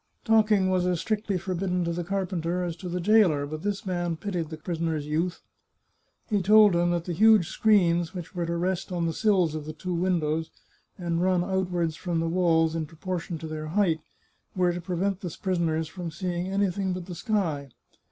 Talking was as strictly forbidden to the carpenter as to the jailer, but this man pitied the prisoner's youth. He told him that the huge screens, which were to rest on the sills of the two windows, and run outward from the walls in proportion to their height, were to prevent the prisoners from seeing anything but the sky.